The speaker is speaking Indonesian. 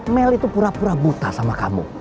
mel itu pura pura buta sama kamu